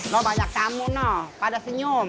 lo banyak tamu noh pada senyum